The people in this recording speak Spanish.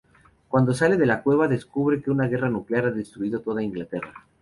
Cuando sale de la cueva, descubre que una guerra nuclear ha destruido toda Inglaterra.